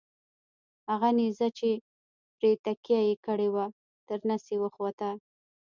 هغه نیزه چې پرې تکیه یې کړې وه تر نس یې وخوته.